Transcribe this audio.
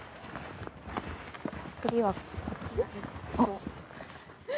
次はこっち？